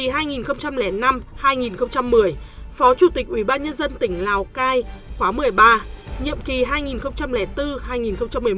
phó trưởng tiểu ban nhân dân và đầu tư tỉnh lào cai